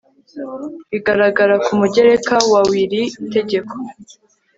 bigaragara ku mugereka wa w iri tegeko